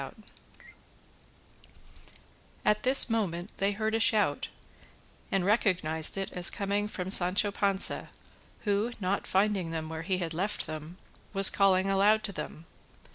At this moment they heard a shout, and recognised it as coming from Sancho Panza, who, not finding them where he had left them, was calling aloud to them.